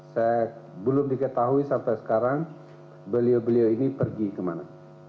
saya belum diketahui sampai sekarang beliau beliau ini pergi kemana